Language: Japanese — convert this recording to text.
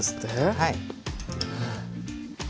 はい。